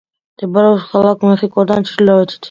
მდებარეობს ქალაქ მეხიკოდან ჩრდილოეთით.